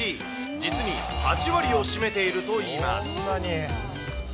実に８割を占めているといいます。